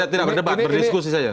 tidak berdebat berdiskusi saja